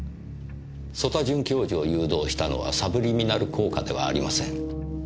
曽田准教授を誘導したのはサブリミナル効果ではありません。